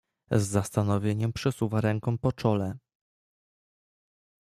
"Z zastanowieniem przesuwa ręką po czole."